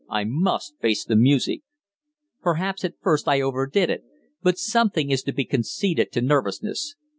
I must face the music. Perhaps at first I overdid it, but something is to be conceded to nervousness.